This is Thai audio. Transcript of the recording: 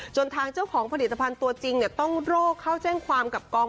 ทางเจ้าของผลิตภัณฑ์ตัวจริงต้องโรคเข้าแจ้งความกับกอง